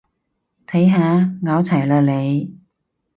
睇下，拗柴喇你